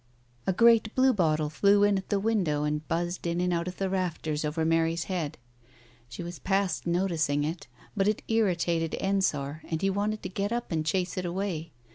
A great bluebottle flew in at the window, and buzzed in and out of the rafters over Mary's head. She was past noticing it, but it irritated Ensor and he wanted to get up and chase it away.